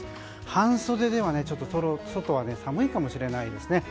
半袖では外は寒いかもしれないですね。